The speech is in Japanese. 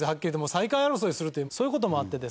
最下位争いをするというそういう事もあってですね